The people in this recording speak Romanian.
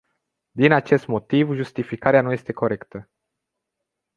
Din acest motiv, justificarea nu este corectă.